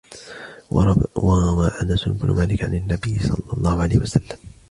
وَرَوَى أَنَسُ بْنُ مَالِكٍ عَنْ النَّبِيِّ صَلَّى اللَّهُ عَلَيْهِ وَسَلَّمَ